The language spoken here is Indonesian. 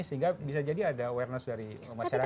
sehingga bisa jadi ada awareness dari masyarakat